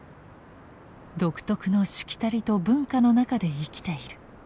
「独特のしきたりと文化の中で生きている」